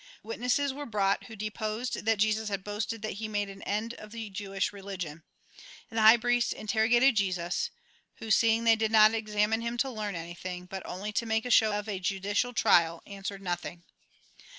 Witnesses were brought, who deposed tliat Jesus had boasted that he made an end of the Jewish religion. And the high priest interrogated Jesus ; who, seeing they did not examine him to learn anything, but only to make a show of a judicial trial, answered nothing.